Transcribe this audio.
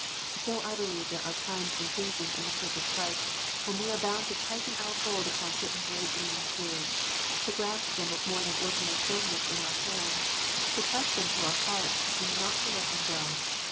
So I believe there are times and seasons in the Church of Christ when we are bound to tighten our hold upon certain great leading truths, to grasp them" with more than ordinary firmness in our hands, to press them to our hearts, and not to let them go.